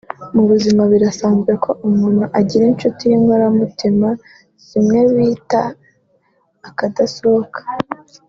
Mu buzima birasanzwe ko umuntu agira inshuti y’inkora mutima zimwe bita akadasohoka